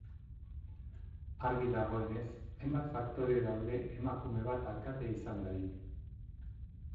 Argi dagoenez, hainbat faktore daude emakume bat alkate izan dadin.